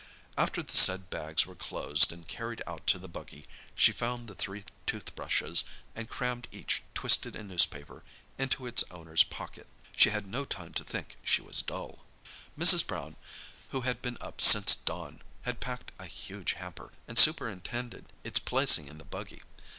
After the said bags were closed and carried out to the buggy, she found the three toothbrushes, and crammed each, twisted in newspaper, into its owner's pocket. She had no time to think she was dull. Mrs. Brown, who had been up since dawn, had packed a huge hamper, and superintended its placing in the buggy.